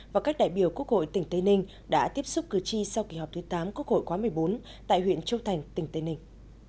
và các đại biểu quốc hội tỉnh tây ninh đã tiếp xúc cử tri sau kỳ họp thứ tám quốc hội khóa một mươi bốn tại huyện châu thành tỉnh tây ninh